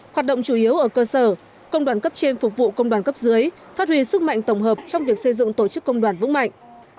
hoạt động chủ yếu ở cơ sở công đoàn cấp trên phục vụ công đoàn cấp dưới phát huy sức mạnh tổng hợp trong việc xây dựng tổ chức công đoàn vững mạnh